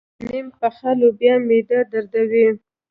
نيم پخه لوبیا معده دردوي.